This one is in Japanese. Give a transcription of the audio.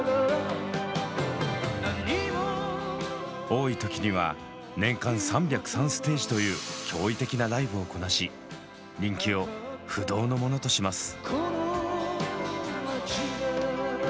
多い時には年間３０３ステージという驚異的なライブをこなし人気を不動のものとします。